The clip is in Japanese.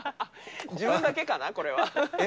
自分だけかな、これは。